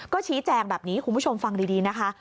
ก็ชี้แจงแบบนี้คุณผู้ชมฟังดีนะคะ